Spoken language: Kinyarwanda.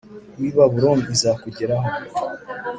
W i babuloni izakugeraho